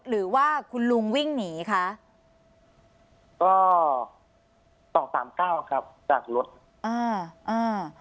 หรือว่าคุณลุงวิ่งหนีคะก็สองสามเก้าครับจากรถอ่าอ่า